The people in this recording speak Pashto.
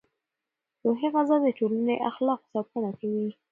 روحي غذا د ټولنې اخلاقو ساتنه کوي.